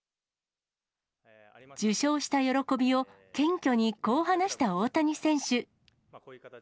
受賞した喜びを謙虚にこう話した大谷選手。